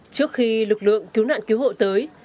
trước khi lực lượng cứu nạn cứu hộ tới